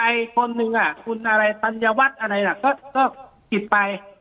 ใครคนหนึ่งอ่ะคุณอะไรตัญวัตรอะไรน่ะก็ก็ผิดไป